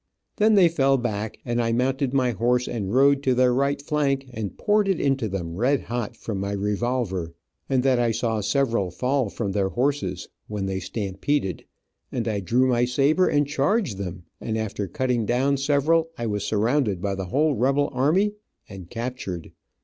Then they fell back and I mounted my horse and rode to their right flank and poured it into them red hot from my revolver, and that I saw several fall from their horses, when they stampeded, and I drew my saber and charged them, and after cutting down several, I was surrounded by the whole rebel army and captured.